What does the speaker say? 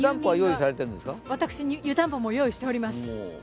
私、湯たんぽも用意しております。